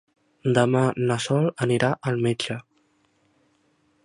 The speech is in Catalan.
Demà na Sol anirà al metge.